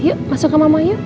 yuk masuk ke mamah yuk